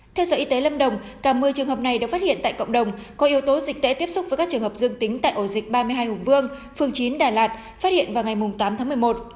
theo sở y tế lâm đồng cả một mươi trường hợp này được phát hiện tại cộng đồng có yếu tố dịch tễ tiếp xúc với các trường hợp dương tính tại ổ dịch ba mươi hai hùng vương phường chín đà lạt phát hiện vào ngày tám tháng một mươi một